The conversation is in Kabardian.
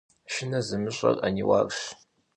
Шынэ зымыщӀэр Ӏэниуарщ!